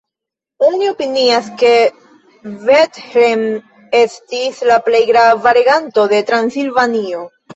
Oni opinias ke Bethlen estis la plej grava reganto de Transilvanio.